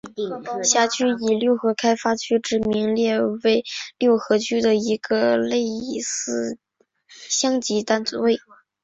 辖区以六合开发区之名列为六合区的一个类似乡级单位。